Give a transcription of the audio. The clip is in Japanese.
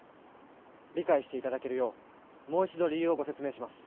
理解していただけるようもう一度理由をご説明します。